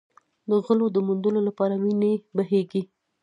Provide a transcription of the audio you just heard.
د غلو د موندلو لپاره وینې بهېږي.